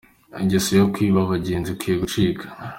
Ingeso yo kwiba abagenzi ikwiye gucika.